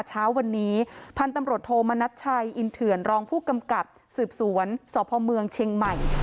เช้าวันนี้พันธุ์ตำรวจโทมนัชชัยอินเถื่อนรองผู้กำกับสืบสวนสพเมืองเชียงใหม่